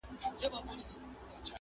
مرګ له خدایه په زاریو ځانته غواړي؛